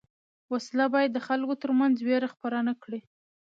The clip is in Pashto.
وسله باید د خلکو تر منځ وېره خپره نه کړي